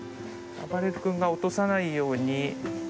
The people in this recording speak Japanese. あばれる君が落とさないように。